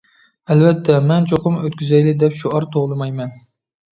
ئەلۋەتتە مەن چوقۇم ئۆتكۈزەيلى دەپ شوئار توۋلىمايمەن.